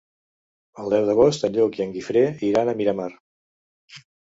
El deu d'agost en Lluc i en Guifré iran a Miramar.